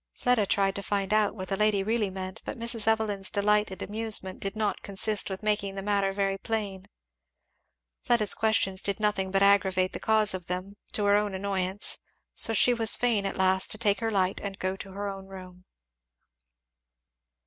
Fleda tried to find out what the lady really meant; but Mrs. Evelyn's delighted amusement did not consist with making the matter very plain. Fleda's questions did nothing but aggravate the cause of them, to her own annoyance; so she was fain at last to take her light and go to her own room.